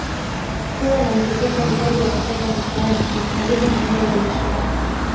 Kuwa na mzunguko mdogo wa fedha mitaani kunaharibu mwenendo wa biashara